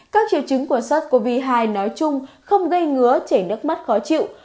các triệu chứng của sars cov hai nói chung không gây ngứa chảy nước mắt khó chịu